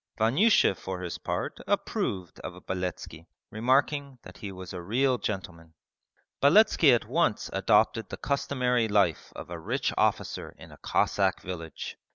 Vanyusha for his part approved of Beletski, remarking that he was a real gentleman. Beletski at once adopted the customary life of a rich officer in a Cossack village.